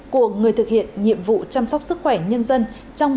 của người thực hiện nhiệm vụ chăm sóc sức khỏe nhân dân trong